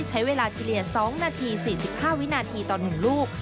ใช้เวลาเฉลี่ย๒นาที๔๕วินาทีต่อ๑ลูก